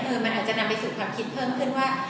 มันอาจจะนำไปสู่ความคิดเพิ่มขึ้นว่า